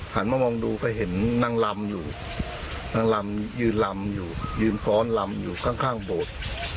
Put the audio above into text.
หันมามองดูก็เห็นนางลำอยู่นางลำยืนลำอยู่ยืนฟ้อนลำอยู่ข้างข้างโบสถ์